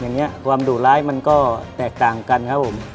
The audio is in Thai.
อย่างนี้ความดุร้ายมันก็แตกต่างกันครับผม